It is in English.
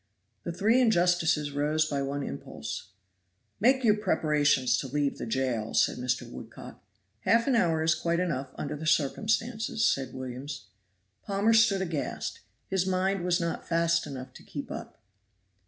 The three injustices rose by one impulse. "Make your preparations to leave the jail," said Mr. Woodcock. "Half an hour is quite enough under the circumstances," said Williams. Palmer stood aghast his mind was not fast enough to keep up.